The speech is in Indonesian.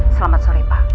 selamat sore pak